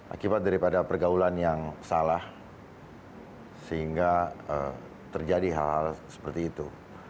akibat daripada pergaulan yang salah sehingga terjadi hal hal seperti itu